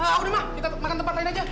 udah mah kita makan tempat lain aja